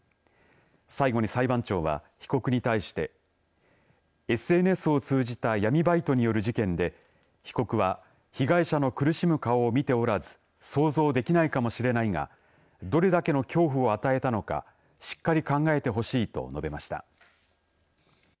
最後に裁判長は被告に対してＳＮＳを通じた闇バイトによる事件で被告は被害者の苦しむ顔を見ておらず想像できないかもしれないがどれだけの恐怖を与えたのかしっかり考えてほしいと述べました。